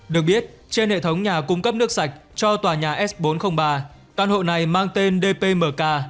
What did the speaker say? được biết trên hệ thống nhà cung cấp nước sạch cho tòa nhà s bốn trăm linh ba căn hộ này mang tên dpmk